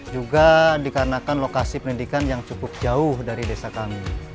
juga dikarenakan lokasi pendidikan yang cukup jauh dari desa kami